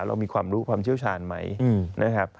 เรามีความรู้ความเชี่ยวชาญไหมนะครับ